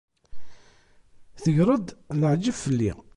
Tegreḍ-d leεǧeb fell-i.